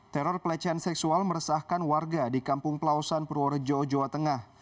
teror pelecehan seksual meresahkan warga di kampung pelausan purworejo jawa tengah